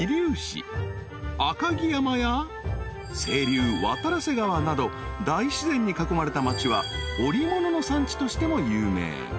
［赤城山や清流渡良瀬川など大自然に囲まれた町は織物の産地としても有名］